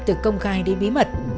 từ công khai đến bí mật